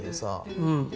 うん。